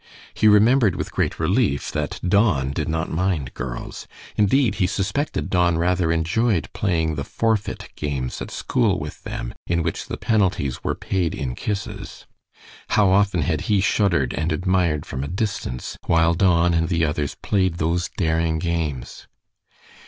He remembered, with great relief, that Don did not mind girls; indeed, he suspected Don rather enjoyed playing the "forfeit" games at school with them, in which the penalties were paid in kisses. How often had he shuddered and admired from a distance, while Don and the others played those daring games!